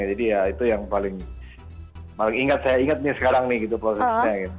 jadi ya itu yang paling paling inget saya inget nih sekarang nih gitu prosesnya